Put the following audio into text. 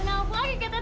udah sabar yat sabar